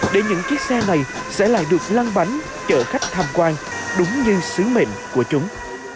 để những chiếc xe này sẽ lại được lăn bánh chở khách tham quan đúng như sứ mệnh của chúng